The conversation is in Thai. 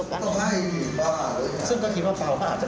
กลุ่มวัยรุ่นฝั่งพระแดง